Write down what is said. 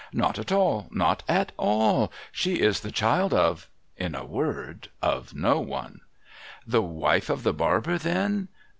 ' Not at all, not at all ! She is the child of — in a word, of no one.' ' The wife of the barber, then